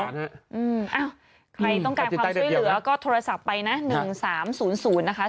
ใครต้องการความช่วยเหลือก็โทรศัพท์ไปนะ๑๓๐๐นะคะ